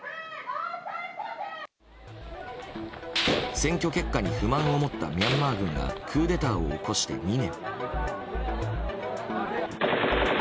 選挙結果に不満を持ったミャンマー軍がクーデターを起こして２年。